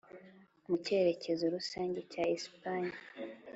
mu cyerekezo rusange cya esipanye. '